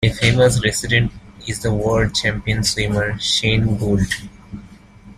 A famous resident is the world champion swimmer Shane Gould.